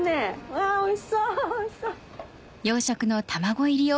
わぁおいしそう！